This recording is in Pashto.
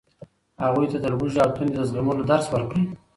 هغوی ته د لوږې او تندې د زغملو درس ورکړئ.